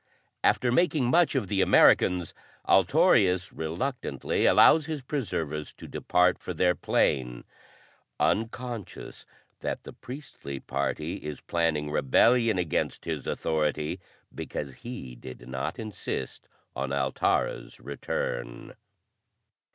After making much of the Americans, Altorius reluctantly allows his preservers to depart for their plane unconscious that the priestly party is planning rebellion against his authority because he did not insist on Altara's return.